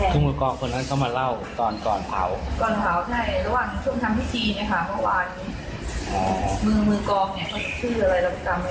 ช่วงทำพิธีเนี้ยค่ะเมื่อวานนี้มือมือกอมเนี้ยเขาชื่ออะไรเราจำไม่ได้